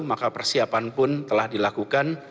maka persiapan pun telah dilakukan